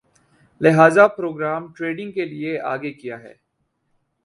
لہذا programme trading کے لیے آگے کِیا ہے